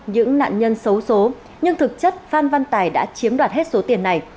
những nạn nhân xấu xố nhưng thực chất phan văn tài đã chiếm đoạt hết số tiền này